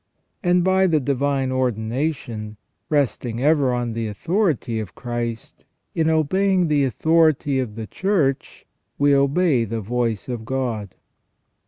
And by the divine ordination, resting ever on the authority of Christ, in obeying the authority of the Church we obey the voice of God.